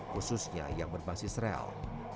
khususnya yang berbasis rel